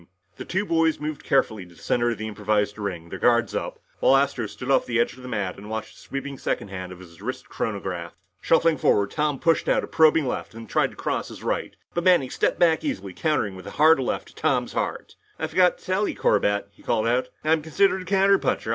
The two boys moved carefully to the center of the improvised ring, their guards up, while Astro stood off the edge of the mat and watched the sweeping second hand of his wrist chronograph. Shuffling forward Tom pushed out a probing left and then tried to cross his right, but Manning stepped back easily, countering with a hard left to Tom's heart. "I forgot to tell you, Corbett," he called out, "I'm considered a counterpuncher.